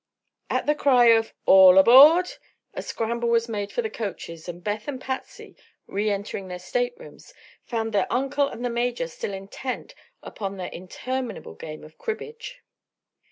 At the cry of "all aboard!" a scramble was made for the coaches and Beth and Patsy, re entering their staterooms, found their Uncle and the Major still intent upon their interminable game of cribbage.